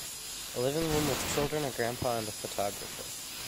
A living room with children a grandpa and a photographer.